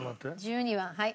１２番はい。